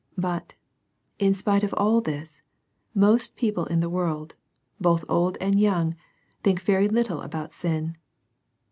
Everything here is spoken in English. But, in spite of all this, most people in the world, both old and young, think very little about sin.